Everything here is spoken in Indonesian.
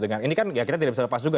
ini kan ya kita tidak bisa lepas juga